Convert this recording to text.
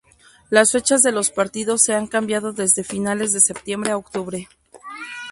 Las fechas de los partidos se han cambiado desde finales de septiembre a octubre.